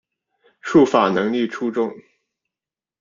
术法能力出众。